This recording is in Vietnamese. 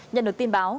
nhận được tin báo